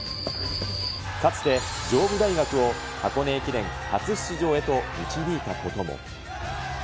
かつて、上武大学を箱根駅伝初出場へと導いたことも。